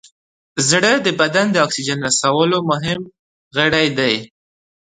زړه د بدن د اکسیجن رسولو مهم غړی دی.